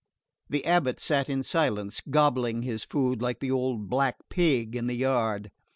The abate sat in silence, gobbling his food like the old black pig in the yard.